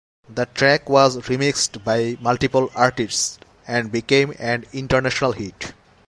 The track was remixed by multiple artists and became and international hit.